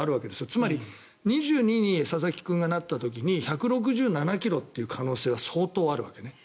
つまり２２歳に佐々木君がなった時に１６７ｋｍっていう可能性は相当あるわけね。